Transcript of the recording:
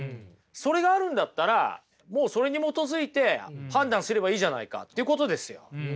それがあるんだったらもうそれに基づいて判断すればいいじゃないかってことですよ。